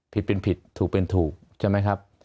ผิดเป็นผิดถูกเป็นถูกใช่ไหมครับ